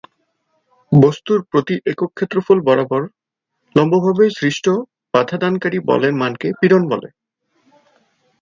বস্তুর প্রতি একক ক্ষেত্রফল বরাবর লম্বভাবে সৃষ্ট বাধা দানকারী বলের মানকে পীড়ন বলে।